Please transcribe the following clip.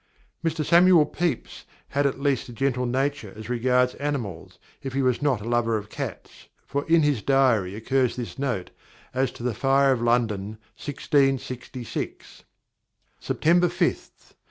Mr. Samuel Pepys had at least a gentle nature as regards animals, if he was not a lover of cats, for in his Diary occurs this note as to the Fire of London, 1666: "_September 5th.